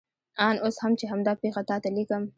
آن اوس هم چې همدا پېښه تا ته لیکم.